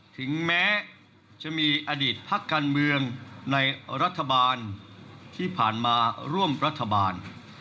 ถึงแม้จะมีอดีตพักการเมืองในรัฐบาลที่ผ่านมาร่วมรัฐบาล